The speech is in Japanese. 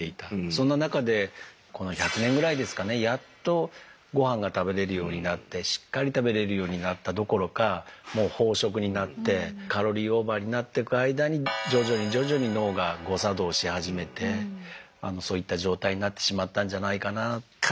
そんな中でこの１００年ぐらいですかねやっとごはんが食べれるようになってしっかり食べれるようになったどころかもう飽食になってカロリーオーバーになっていく間に徐々に徐々に脳が誤作動し始めてそういった状態になってしまったんじゃないかなと。